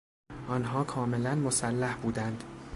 آنها کاملا مسلح بودند.